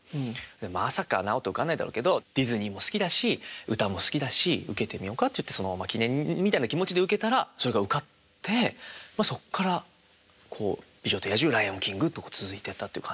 「まさか直人受かんないだろうけどディズニーも好きだし歌も好きだし受けてみようか」っていってそのまま記念みたいな気持ちで受けたらそれが受かってまあそっから「美女と野獣」「ライオンキング」と続いてったっていう感じ。